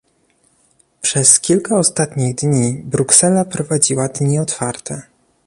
Przez kilka ostatnich dni Bruksela prowadziła dni otwarte